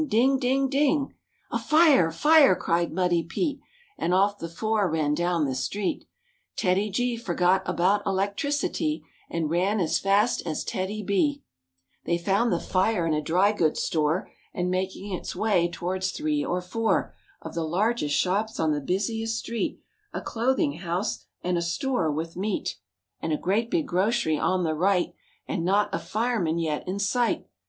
ding! ding! ding! "A fire! fire!" cried Muddy Pete, And off the four ran down the street. TEDDY G forgot about electricity And ran as feist as TEDDY—B. mu MORE ABOUT THE ROOSEVELT BEARS They found the fire in a dry goods store And making its way towards three or four Of the largest shops on the busiest street: A clothing house and a store with meat, And a great big grocery on the right And not a fireman yet in sight.